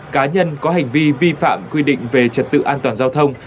cá nhân có hành vi vi phạm quy định về trật tự an toàn giao thông